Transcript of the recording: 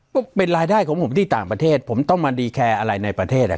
ก็เป็นรายได้ของผมที่ต่างประเทศผมต้องมาดีแคร์อะไรในประเทศ